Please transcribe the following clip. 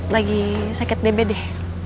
lagi sakit db deh